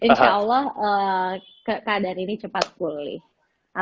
insya allah keadaan ini cepat pulih